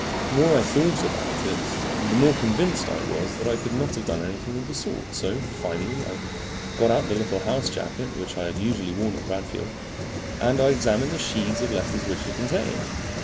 The more I thought about it the more convinced I was that I could not have done anything of the sort; so finally I got out the little house jacket which I had usually worn at Bradfield, and I examined the sheaves of letters which it contained.